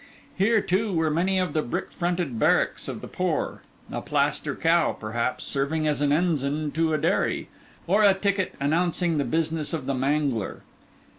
Here, too, were many of the brick fronted barracks of the poor; a plaster cow, perhaps, serving as ensign to a dairy, or a ticket announcing the business of the mangler.